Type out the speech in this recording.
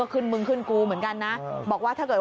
ด้วยความเคารพนะคุณผู้ชมในโลกโซเชียล